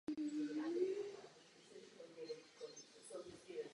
Solidarita je hlavním znakem Evropské unie.